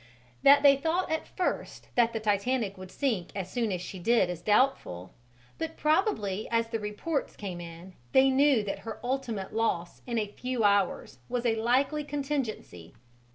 That they thought at first that the Titanic would sink as soon as she did is doubtful; but probably as the reports came in they knew that her ultimate loss in a few hours was a likely contingency.